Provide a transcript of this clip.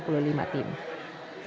pheat di indonesia